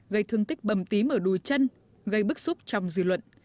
gây thương tích bầm tím ở đùi chân gây bức xúc trong dư luận